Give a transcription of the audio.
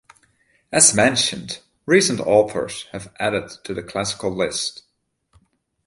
As mentioned, recent authors have added to the classical list.